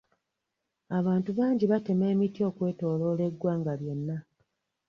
Abantu bangi batema emiti okwetooloola eggwanga lyonna.